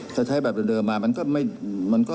ถ้าใช้แบบเดิมมา